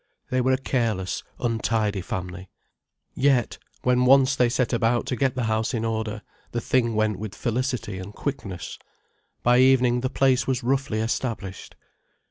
They were a careless, untidy family. Yet when once they set about to get the house in order, the thing went with felicity and quickness. By evening the place was roughly established.